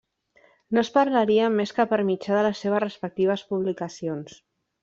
No es parlarien més que per mitjà de les seves respectives publicacions.